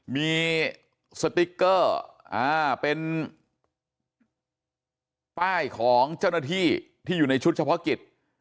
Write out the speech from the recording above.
มีสติ๊กเกอร์เป็นป้ายของเจ้าหน้าที่ที่อยู่ในชุดเฉพาะกิจ